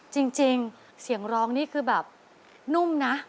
จริงเสียงร้องนี่คือแบบนุ่มนะ